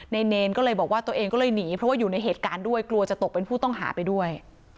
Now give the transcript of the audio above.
เนรก็เลยบอกว่าตัวเองก็เลยหนีเพราะว่าอยู่ในเหตุการณ์ด้วยกลัวจะตกเป็นผู้ต้องหาไปด้วย